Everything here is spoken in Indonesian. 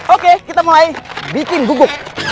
oke kita mulai bikin bubuk